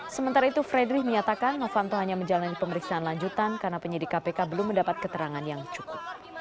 sementara itu fredrik menyatakan novanto hanya menjalani pemeriksaan lanjutan karena penyidik kpk belum mendapat keterangan yang cukup